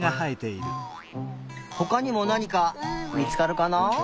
ほかにもなにかみつかるかな？